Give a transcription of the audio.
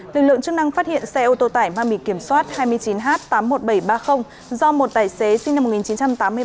lực lượng chức năng phát hiện xe ô tô tải mang bị kiểm soát hai mươi chín h tám mươi một nghìn bảy trăm ba mươi do một tài xế sinh năm một nghìn chín trăm tám mươi ba